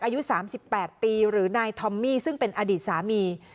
อายุสามสิบแปดปีหรือนายทอมมี่ซึ่งเป็นอดีตสามี